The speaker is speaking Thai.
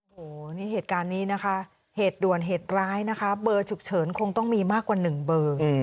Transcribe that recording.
โอ้โหนี่เหตุการณ์นี้นะคะเหตุด่วนเหตุร้ายนะคะเบอร์ฉุกเฉินคงต้องมีมากกว่า๑เบอร์